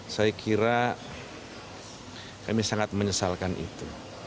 saya kira kami sangat menyesalkan itu